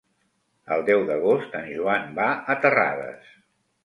El deu d'agost en Joan va a Terrades.